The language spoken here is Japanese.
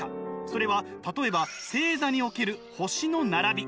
それは例えば星座における星の並び。